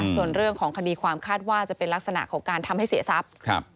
ส่วนเรื่องของคณีภาคภาคคาตวาก็จะเป็นลักษณะทำให้เสียทรัพย์